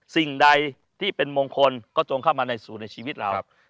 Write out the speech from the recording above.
สิ่งใดที่เป็นมงคลก็จงเข้ามาในสู่ในชีวิตเรา